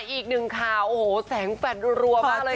อีกหนึ่งค่ะโอ้โหแสงแฟช์รัวมากเลยค่ะ